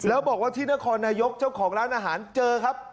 แล้วบอกว่าที่นครนายกเจ้าของร้านอาหารเจอครับ